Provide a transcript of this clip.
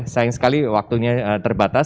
sayang sekali waktunya terbatas